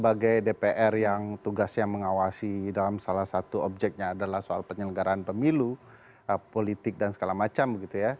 saya pikir bahwa sebagai dpr yang tugasnya mengawasi dalam salah satu objeknya adalah soal penyelenggaraan pemilu politik dan segala macam